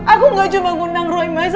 aku gak cuma mengundang roy mas